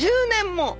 １０年も！